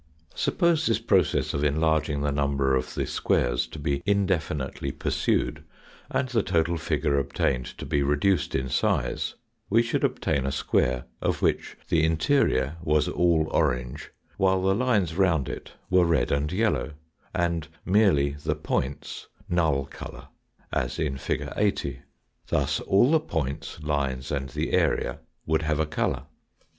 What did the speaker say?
Suppose this process of enlarging the number of the Null Yellow Null squares to be indefinitely pursued and the total figure obtained to be reduced in size, we should obtain a square of which the interior was all orange, while the lines round it were red and yellow, and merely the points null colour, as in fig. 80. Thus all the points, lines, and the area would have a colour.